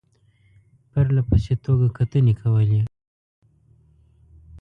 پرله پسې توګه کتنې کولې.